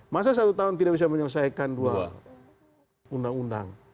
masa satu tahun tidak bisa menyelesaikan dua undang undang